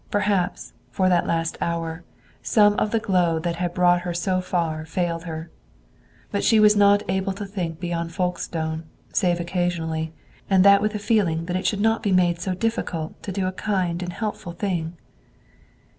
Perhaps, for that last hour, some of the glow that had brought her so far failed her. She was not able to think beyond Folkestone, save occasionally, and that with a feeling that it should not be made so difficult to do a kind and helpful thing.